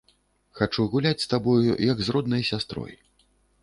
Хачу гуляць з табою, як з роднай сястрой.